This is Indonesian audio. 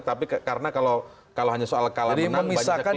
tapi karena kalau hanya soal kalah menang banyak pilihan